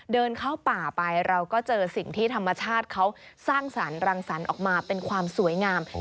เดินเข้าป่าไปเราก็เจอสิ่งที่ธรรมชาติเขาสร้างสรรครังสรรค์ออกมาเป็นความสวยงาม